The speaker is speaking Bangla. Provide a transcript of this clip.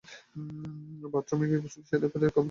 বাথরুমে গিয়ে গোসল সেরে কাপড় ধুয়ে পানি চিপতে চিপতে বেরিয়ে আসা।